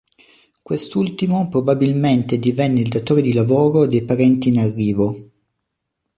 Quest'ultimo probabilmente divenne il datore di lavoro dei parenti in arrivo.